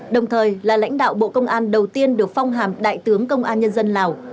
đồng thời là lãnh đạo bộ công an đầu tiên được phong hàm đại tướng công an nhân dân lào